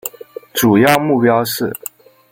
主要目标是